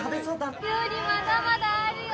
料理まだまだあるよ。